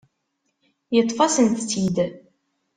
Yeṭṭef-asent-tt-id.